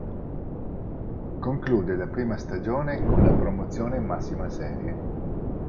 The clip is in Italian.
Conclude la prima stagione con la promozione in massima serie.